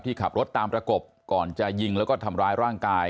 ขับรถตามประกบก่อนจะยิงแล้วก็ทำร้ายร่างกาย